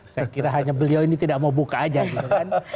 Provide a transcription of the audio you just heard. saya kira hanya beliau ini tidak mau buka aja gitu kan